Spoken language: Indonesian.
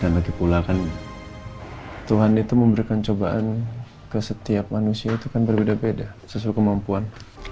dan bagi pula kan tuhan itu memberikan cobaan ke setiap manusia itu kan berbeda beda sesuai kemampuan